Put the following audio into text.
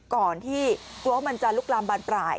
ก่อนที่กลัวว่ามันจะลุกลามบานปลาย